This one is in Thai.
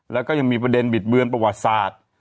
แล้วก็ยังมีประเด็นบิดเบือนประวัติศาสตร์